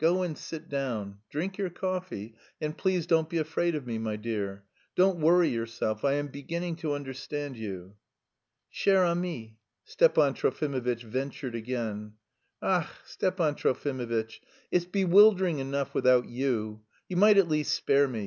Go and sit down, drink your coffee, and please don't be afraid of me, my dear, don't worry yourself. I am beginning to understand you." "Chère amie..." Stepan Trofimovitch ventured again. "Ach, Stepan Trofimovitch, it's bewildering enough without you. You might at least spare me....